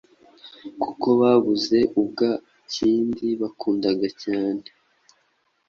kuko babuze ubwa Kindi bakundaga cyane.